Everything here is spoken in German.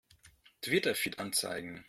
Twitter-Feed anzeigen!